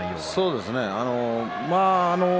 そうですね。